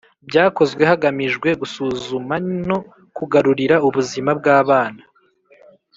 Byakozwe hagamijwe gusuzuma no kugarurira ubuzima bw’abana